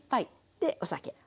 でお酒。